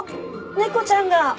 猫ちゃんだ。